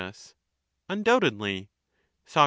Undoubtedly. Sac.